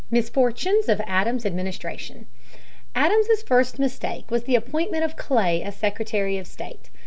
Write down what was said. Misfortunes of Adams's Administration. Adams's first mistake was the appointment of Clay as Secretary of State.